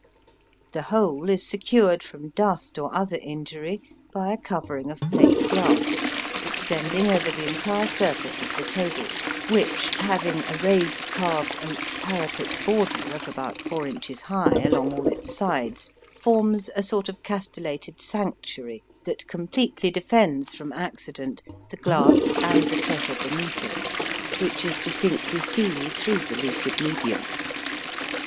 The whole is secured from dust or other injury by a covering of plate glass, extending over the entire surface of the table, which, having a raised carved oak parapet border of about four inches high along all its sides, forms a sort of castellated sanctuary that completely defends from accident the glass and the treasure beneath it; which is distinctly seen through the lucid medium.